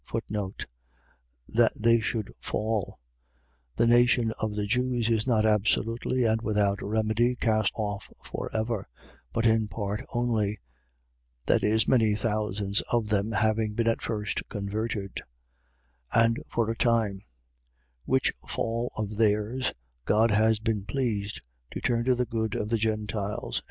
That they should fall. . .The nation of the Jews is not absolutely and without remedy cast off for ever; but in part only, (many thousands of them having been at first converted,) and for a time; which fall of theirs, God has been pleased to turn to the good of the Gentiles.